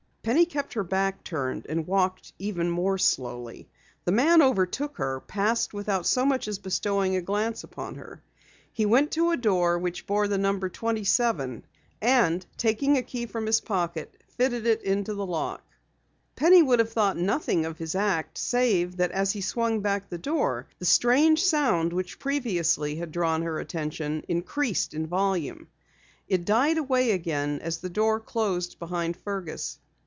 Penny kept her back turned and walked even more slowly. The man overtook her, passed without so much as bestowing a glance upon her. He went to a door which bore the number 27 and, taking a key from his pocket, fitted it into the lock. Penny would have thought nothing of his act, save that as he swung back the door, the strange sound which previously had drawn her attention, increased in volume. It died away again as the door closed behind Fergus.